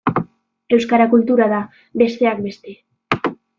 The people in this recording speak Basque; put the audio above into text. Euskara kultura da, besteak beste.